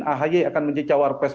ahy akan menjadi cawar pres